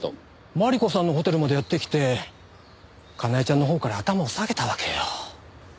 万里子さんのホテルまでやって来てかなえちゃんのほうから頭を下げたわけよ。